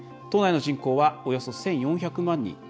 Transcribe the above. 都内の人口はおよそ１４００万人。